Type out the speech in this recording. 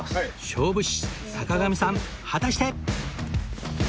勝負師坂上さん果たして？